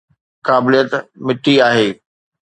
قابليت مٽي آهي.